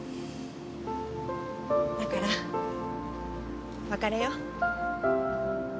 だから別れよ。